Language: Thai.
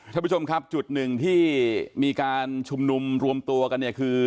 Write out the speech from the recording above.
ท่านผู้ชมครับจุดหนึ่งที่มีการชุมนุมรวมตัวกันเนี่ยคือ